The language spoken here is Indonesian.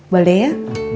boleh saya cetek